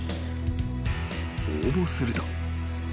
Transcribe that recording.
［応募すると］